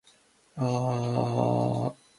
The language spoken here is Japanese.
北海道網走市